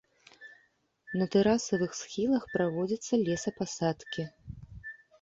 На тэрасаваных схілах праводзяцца лесапасадкі.